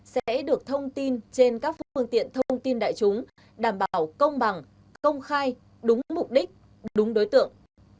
sẽ được thông tin trên các phương tiện thông tin đại chúng đảm bảo công bằng công khai đúng mục đích đúng đối tượng